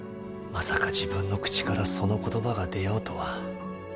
まさか自分の口からその言葉が出ようとは。